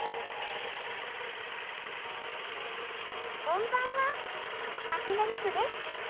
こんばんは初音ミクです。